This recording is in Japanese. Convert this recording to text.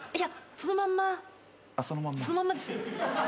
そのまんまです。